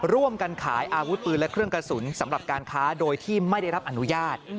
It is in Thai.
ร่วมกันขายอาวุธปืนและเครื่องกระสุนสำหรับการค้าโดยที่ไม่ได้รับอนุญาต